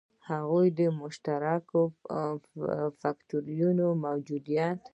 د هغو مشترکو فکټورونو موجودیت.